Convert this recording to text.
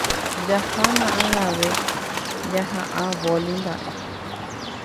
Jahána ag̃ave ñaha'ã vólei mba'e.